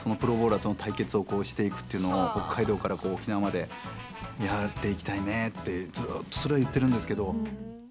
そのプロボウラーとの対決をしていくというのを北海道から沖縄までやっていきたいねってずっとそれを言ってるんですけど。